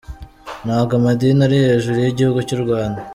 Ntabwo amadini ari hejuru y’igihugu cy’u Rwanda.